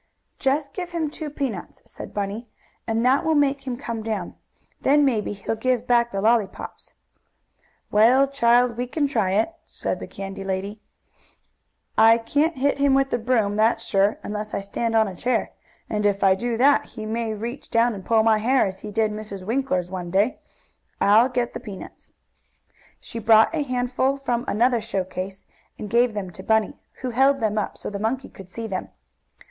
"Just give him two peanuts," said Bunny, "and that will make him come down. Then maybe he'll give back the lollypops." "Well, child, we can try it," the candy lady said. "I can't hit him with the broom, that's sure, unless I stand on a chair, and if I do that he may reach down and pull my hair, as he did Mrs. Winkler's one day. I'll get the peanuts." She brought a handful from another show case, and gave them to Bunny, who held them up so the monkey could see them.